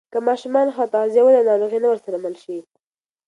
که ماشوم ښه تغذیه ولري، ناروغي نه ورسره مل شي.